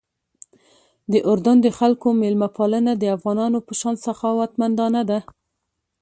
د اردن د خلکو میلمه پالنه د افغانانو په شان سخاوتمندانه ده.